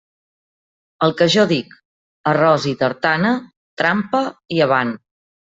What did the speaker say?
El que jo dic: «arròs i tartana»..., trampa i avant.